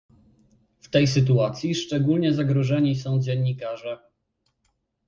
W tej sytuacji szczególnie zagrożeni są dziennikarze